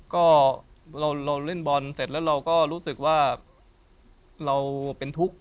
ก็เราเล่นบอลเสร็จแล้วเราก็รู้สึกว่าเราเป็นทุกข์